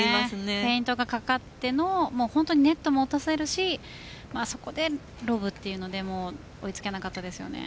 フェイントがかかってのネットも落とせるしそこでロブというので追いつけなかったですよね。